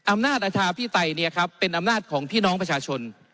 อำนาจอธาพี่ไตยเนี่ยครับเป็นอำนาจของพี่น้องประชาชน